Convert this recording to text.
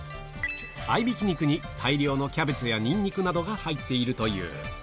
合いびき肉に大量のキャベツやニンニクなどが入っているという。